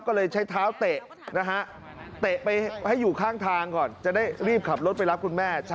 ก็เลยใช้เท้าเตะนะฮะเตะไปให้อยู่ข้างทางก่อนจะได้รีบขับรถไปรับคุณแม่